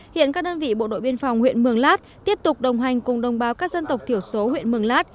hiện các đơn vị bộ đội biên phòng huyện mường lát tiếp tục đồng hành cùng đồng bào các dân tộc thiểu số huyện mường lát